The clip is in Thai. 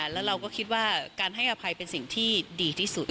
แล้วเราก็คิดว่าการให้อภัยเป็นสิ่งที่ดีที่สุด